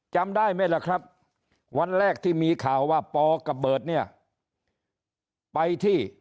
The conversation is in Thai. จำได้ไหมล่ะครับวันแรกที่มีข่าวว่าปอกับเบิร์ตเนี่ยไปที่